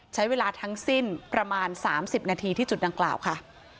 ใช้เวลาทั้งสิ้นประมาณ๓๐นาทีที่จุดดังกล่าวค่ะ